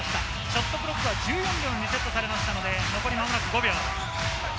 ショットクロックは１４秒にセットされましたので、残りは間もなく５秒。